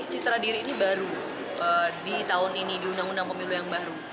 citra diri ini baru di tahun ini di undang undang pemilu yang baru